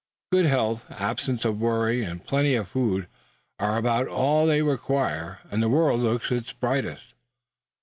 Good health, absence of worry, and plenty of food are about all they require; and the world looks its brightest.